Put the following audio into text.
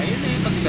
itu juga saya juga